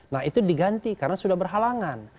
nah itu diganti karena sudah berhalangan